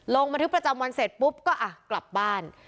ลงบันทึกประจำวันเสร็จปุ๊บก็อ่ะกลับบ้าน